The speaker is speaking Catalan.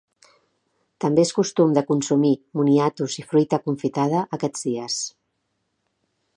També és costum de consumir moniatos i fruita confitada aquests dies.